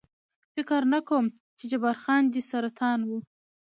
فکر نه کوم، چې جبار خان دې سرطان و.